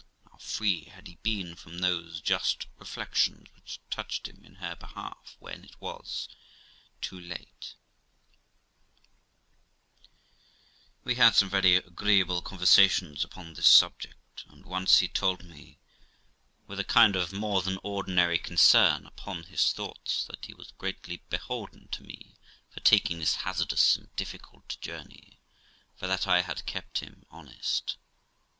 And how free had he been from those just reflections which touched him in her behalf when it was too late ! We had some very agreeable conversations upon this subject, and once he told me, with a kind of more than ordinary concern upon his thoughts, that he was greatly beholden to me for taking this hazardous and difficult journey, for that I had kept him honest.